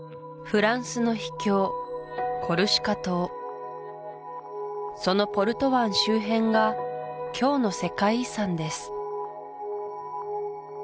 フランスの秘境コルシカ島そのポルト湾周辺が今日の世界遺産です